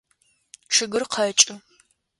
Чъыгыр къэкӏы.